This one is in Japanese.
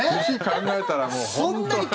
年考えたらもう本当。